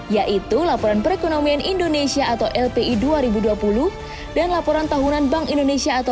yaitu laporan perekonomian indonesia dua ribu dua puluh dan laporan tahunan bank indonesia dua ribu dua puluh